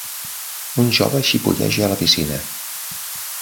Un jove xipolleja a la piscina